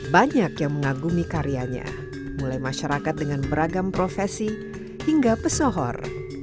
banyak yang mengagumi karyanya mulai masyarakat dengan beragam profesi hingga pesohor